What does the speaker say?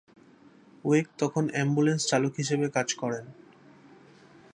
ওয়েক তখন অ্যাম্বুলেন্স চালক হিসেবে কাজ করেন।